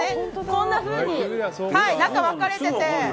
こんなふうに中、分かれてて。